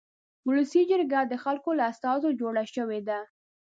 ولسي جرګه د خلکو له استازو جوړه شوې ده.